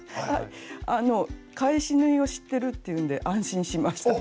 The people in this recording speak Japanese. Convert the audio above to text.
あの返し縫いを知ってるっていうんで安心しました。